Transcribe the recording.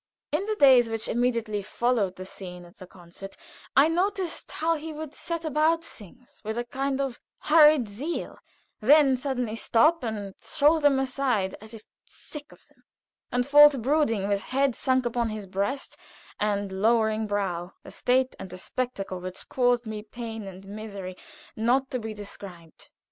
In the days which immediately followed the scene at the concert I noticed how he would set about things with a kind of hurried zeal, then suddenly stop and throw them aside, as if sick of them, and fall to brooding with head sunk upon his breast, and lowering brow; a state and a spectacle which caused me pain and misery not to be described.